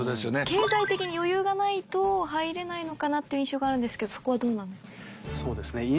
経済的に余裕がないと入れないのかなっていう印象があるんですけどそこはどうなんですか？